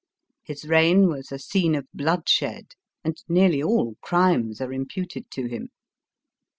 His reign was a scene of bloodshed, and n arly all crimes are imputed to him.